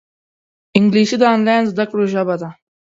انګلیسي د آنلاین زده کړو ژبه ده